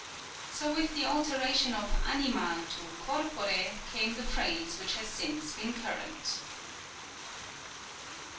") So with the alteration of " anima " to " corpore " came the phrase which has since been current.